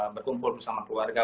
berkumpul bersama keluarga